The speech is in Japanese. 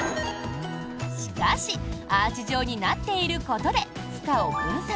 しかしアーチ状になっていることで負荷を分散。